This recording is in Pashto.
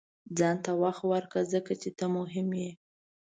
• ځان ته وخت ورکړه، ځکه چې ته هم مهم یې.